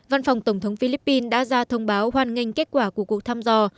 văn phòng tổng thống philippines đã ra thông báo hoan nghênh kết quả của cuộc thăm dò